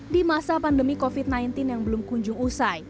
di masa pandemi covid sembilan belas yang belum kunjung usai